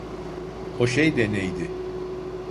O şey de neydi?